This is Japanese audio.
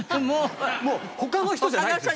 もう他の人じゃないんですよ。